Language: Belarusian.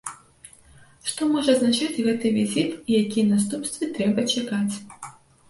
Што можа азначаць гэты візіт і якія наступствы трэба чакаць?